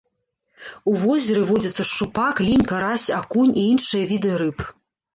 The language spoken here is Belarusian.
У возеры водзяцца шчупак, лінь, карась, акунь і іншыя віды рыб.